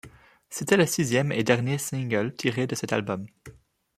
C'était le sixième et dernier single tiré de cet album.